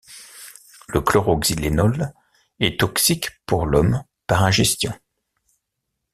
Le chloroxylénol est toxique pour l'homme par ingestion.